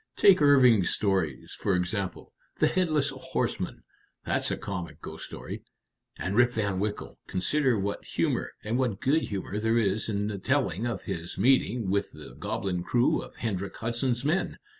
Take Irving's stories, for example. The 'Headless Horseman' that's a comic ghost story. And Rip Van Winkle consider what humor, and what good humor, there is in the telling of his meeting with the goblin crew of Hendrik Hudson's men!